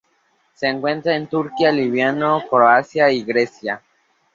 Se encuentra en Turquía, Líbano, Croacia y Grecia.